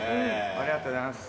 ありがとうございます。